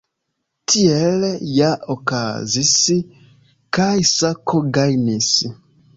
Tiel ja okazis, kaj Sako gajnis.